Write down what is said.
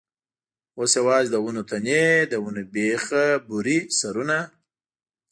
اوس یوازې د ونو تنې، د ونو بېخه برې سرونه.